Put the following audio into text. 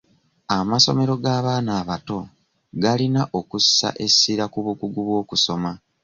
Amasomero g'abaana abato galina okussa essira ku bukugu bw'okusoma.